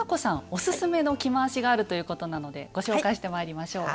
オススメの着回しがあるということなのでご紹介してまいりましょう。